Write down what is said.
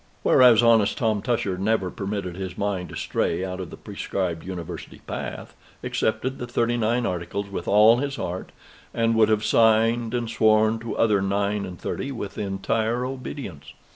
Whereas honest Tom Tusher never permitted his mind to stray out of the prescribed University path, accepted the Thirty nine Articles with all his heart, and would have signed and sworn to other nine and thirty with entire obedience.